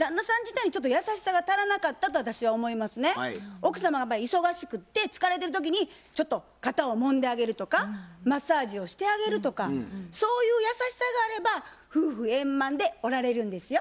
奥様が忙しくって疲れてる時にちょっと肩をもんであげるとかマッサージをしてあげるとかそういう優しさがあれば夫婦円満でおられるんですよ。